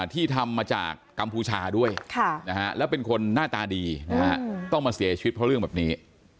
ที่ทำมาจากกัมพูชาด้วยแล้วเป็นคนหน้าตาดีต้องมาเสียชีวิตเพราะเรื่องแบบนี้